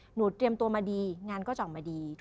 เตรียมตัวมาดีงานก็จะออกมาดี